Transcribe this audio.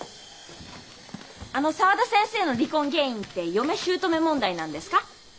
あの沢田先生の離婚原因って嫁姑問題なんですか？